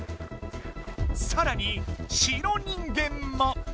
さらに白人間も！